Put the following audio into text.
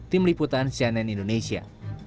tim liputan cnn indonesia